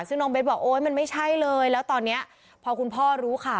ซึ่งน้องเบสบอกโอ๊ยมันไม่ใช่เลยแล้วตอนนี้พอคุณพ่อรู้ข่าว